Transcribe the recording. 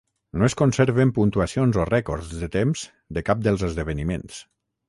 No es conserven puntuacions o rècords de temps de cap dels esdeveniments.